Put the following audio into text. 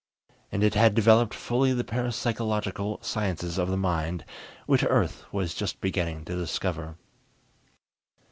And it had developed fully the parapsychological sciences of the mind, which Earth was just beginning to discover.